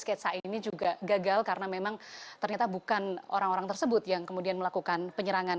sketsa ini juga gagal karena memang ternyata bukan orang orang tersebut yang kemudian melakukan penyerangan